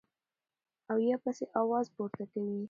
او يا پسې اواز پورته کوي -